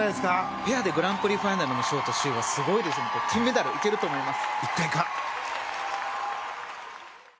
ペアでグランプリファイナルのショート首位はすごいですから金メダル、いけると思います！